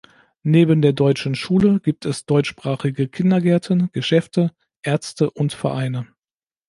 Neben der deutschen Schule gibt es deutschsprachige Kindergärten, Geschäfte, Ärzte und Vereine.